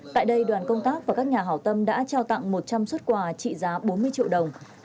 tại đây đoàn công tác và các nhà hảo tâm đã trao tặng một trăm linh xuất quà trị giá bốn mươi triệu đồng